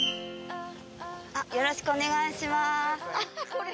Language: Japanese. よろしくお願いします。